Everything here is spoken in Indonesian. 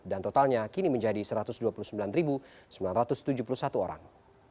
dan totalnya kini menjadi satu ratus dua puluh sembilan sembilan ratus tujuh puluh satu orang